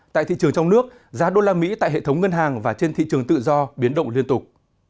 tại thị trường trong nước giá đô la mỹ tại hệ thống ngân hàng và trên thị trường tự do biến động liên tục